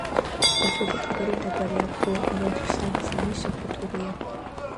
მეხუთე კედელი დაბალია აქ ყოველ კედელში სამ-სამი სათოფურია.